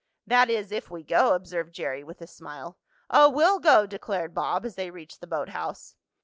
"That is, if we go," observed Jerry with a smile. "Oh, we'll go!" declared Bob, as they reached the boathouse.